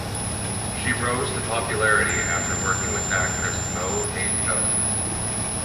She rose to popularity after working with actress Moe Hay Ko.